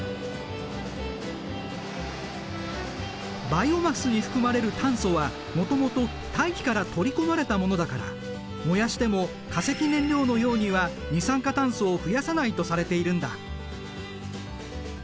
バイオマスに含まれる炭素はもともと大気から取り込まれたものだから燃やしても化石燃料のようには二酸化炭素を増やさないとされているんだ。